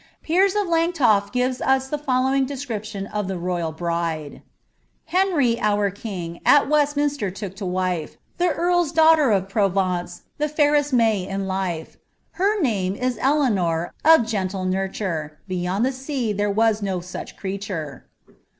Piers of Langtoft gives us the following description of the royal bride:— ■* Henry, our king, mt Westminiter took to wife The eaxrs daughter of Provence, the fairest May in lifb ; Her name is Elinor, of gentle nurture ; Beyond the lea there was no such creature."